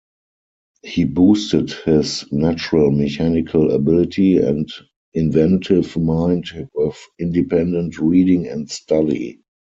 He boosted his natural mechanical ability and inventive mind with independent reading and study.